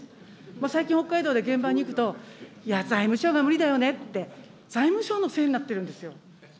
もう最近、北海道で現場に行くと、いや、財務省が無理だよねって、財務省のせいになってるんですよ。